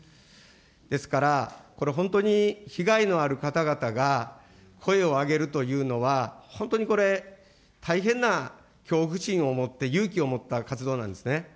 ですから、これ、本当に被害のある方々が声を上げるというのは、本当にこれ、大変な恐怖心を持って、勇気を持った活動なんですね。